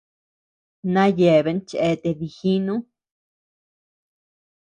Na yeabean cheatea dijinu.